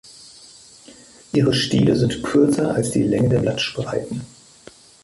Ihre Stiele sind kürzer als die Länge der Blattspreiten.